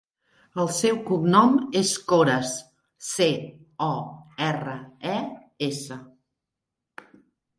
El seu cognom és Cores: ce, o, erra, e, essa.